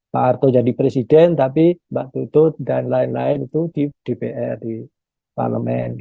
pak harto jadi presiden tapi mbak tutut dan lain lain itu di dpr di parlemen